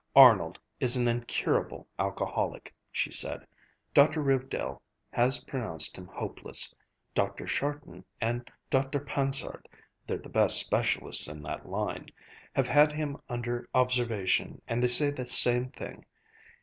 "Arnold is an incurable alcoholic," she said; "Dr. Rivedal has pronounced him hopeless. Dr. Charton and Dr. Pansard (they're the best specialists in that line) have had him under observation and they say the same thing.